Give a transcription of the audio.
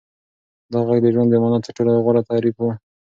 دا غږ د ژوند د مانا تر ټولو غوره تعریف و.